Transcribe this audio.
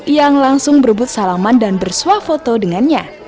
yang langsung berebut salaman dan bersuah foto dengannya